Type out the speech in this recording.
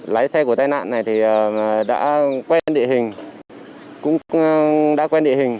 lái xe của tên nạn này đã quen địa hình